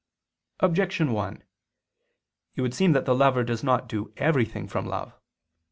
Objection 1: It would seem that the lover does not do everything from love.